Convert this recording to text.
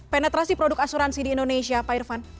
penetrasi produk asuransi di indonesia